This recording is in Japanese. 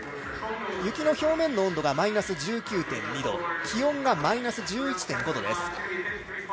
雪の表面の温度がマイナス１９．２度気温がマイナス１１．５度です。